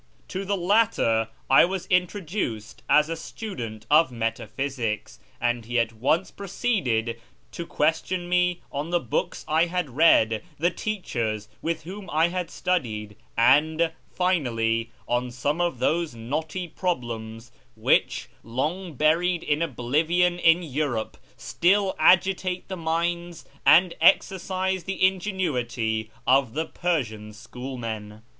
To the latter I was introduced as a student of Metaphysics, and he at once proceeded to question me on the books I had read, the teachers with whom I had studied, and, finally, on some of those knotty problems which, long buried in oblivion in Europe, still agitate the minds and exercise the ingenuity of the Persian schoolmen.